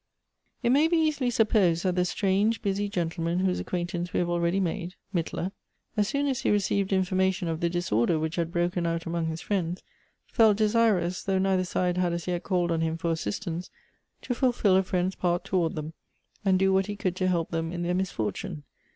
IT may be easily supposed that the strange, busy gen tleman, whose acquaintance we have already made — Mittler — as soon as he received infonnation of the disor der which had broken out among his friends, felt desir ous, though neither side had as yet called on him for assistance, to fulfil a friend's part toward them, and do what he could to help them in their misfortune.